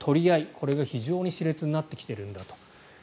これが非常に熾烈になってきているんだと。